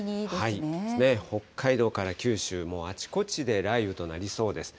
北海道から九州、もうあちこちで雷雨となりそうです。